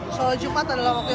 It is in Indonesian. soal cepat adalah maksudnya